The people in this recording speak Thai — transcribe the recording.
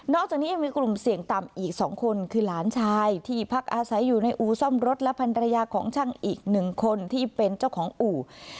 จากนี้ยังมีกลุ่มเสี่ยงต่ำอีก๒คนคือหลานชายที่พักอาศัยอยู่ในอู่ซ่อมรถและพันรยาของช่างอีกหนึ่งคนที่เป็นเจ้าของอู่